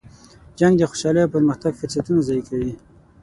جنګ د خوشحالۍ او پرمختګ فرصتونه ضایع کوي.